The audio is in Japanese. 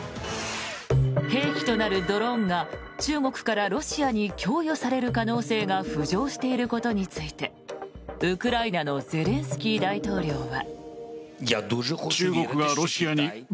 兵器となるドローンが中国からロシアに供与される可能性が浮上していることについてウクライナのゼレンスキー大統領は。